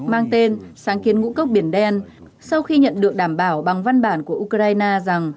mang tên sáng kiến ngũ cốc biển đen sau khi nhận được đảm bảo bằng văn bản của ukraine rằng